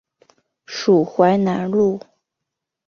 属淮南东路。